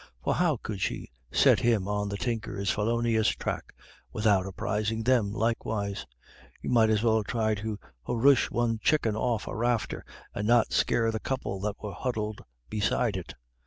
For how could she set him on the Tinker's felonious track without apprising them likewise? You might as well try to huroosh one chicken off a rafter and not scare the couple that were huddled beside it.